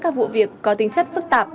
các vụ việc có tính chất phức tạp